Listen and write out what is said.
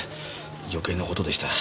余計な事でした。